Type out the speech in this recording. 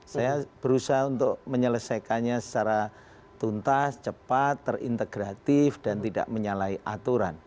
saya berusaha untuk menyelesaikannya secara tuntas cepat terintegratif dan tidak menyalahi aturan